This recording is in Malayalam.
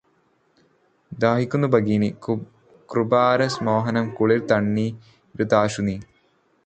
ദാഹിക്കുന്നു ഭഗിനീ, കൃപാരസമോഹനം കുളിർ തണ്ണീരിതാശു നീ.